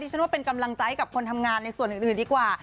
ฉันว่าเป็นกำลังใจกับคนทำงานในส่วนอื่นดีกว่า